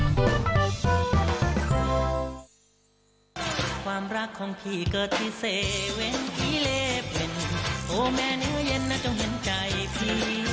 มีความรักของพี่เกิดที่เซเว่นที่เล็บเว่นโอ้แม่เหนือเย็นน่ะจงเห็นใจพี่